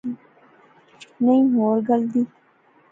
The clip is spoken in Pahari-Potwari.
نئیں، ہور گل دی